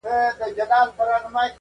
څه ورېښمین شالونه لوټ کړل غدۍ ورو ورو.!